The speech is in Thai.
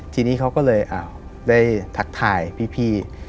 ทีนี้เขาก็เลยได้ทักทายพี่